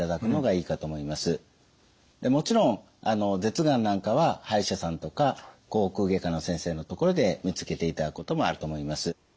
でもちろん舌がんなんかは歯医者さんとか口腔外科の先生のところで見つけていただくこともあると思います。